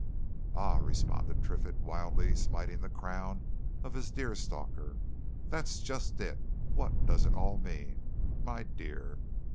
"Ah!" responded Triffitt, wildly smiting the crown of his deerstalker. "That's just it! What does it all mean, my dear!